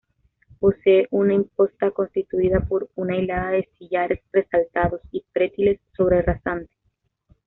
Posee una imposta constituida por una hilada de sillares resaltados, y pretiles sobre rasante.